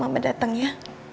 papa sama bedeteng ya